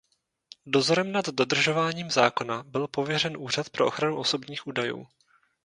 Dozorem nad dodržováním zákona byl pověřen Úřad pro ochranu osobních údajů.